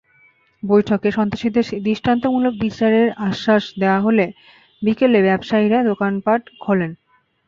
বৈঠকে সন্ত্রাসীদের দৃষ্টান্তমূলক বিচারের আশ্বাস দেওয়া হলে বিকেলে ব্যবসায়ীরা দোকানপাট খোলেন।